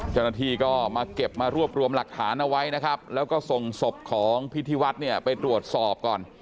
เจ้าหน้าที่ก็มาเก็บมารวบรวมหลักฐานเอาไว้นะครับแล้วก็ส่งศพของพิธีวัฒน์เนี่ยไปตรวจสอบก่อน